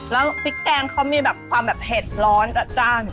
แล้วพริกแกงเขามีแบบความแบบเผ็ดร้อนจัดจ้าน